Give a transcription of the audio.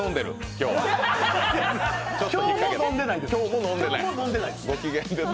今日も飲んでないです。